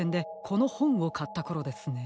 このほんをかったころですね。